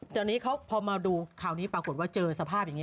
ตอนนี้เขาพอมาดูคราวนี้ปรากฏว่าเจอสภาพอย่างนี้